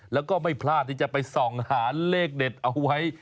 แล้วก็ไม่พลาดที่จะไปส่องหาเลขเด็ดเอาไว้